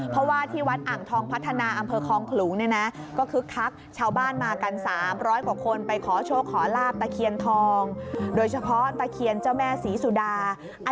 เพราะว่าที่วัดอ่างทองพัฒนาอำเภอคองขลูงนี่นะ